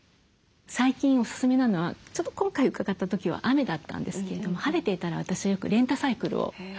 最近おすすめなのはちょっと今回伺った時は雨だったんですけれども晴れていたら私はよくレンタサイクルを。